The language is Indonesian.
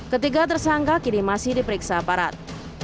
ketiga tersangka kini masih diperiksa aparat